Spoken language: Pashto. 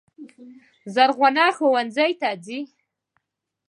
زرغونه ښوونځي ته ځي.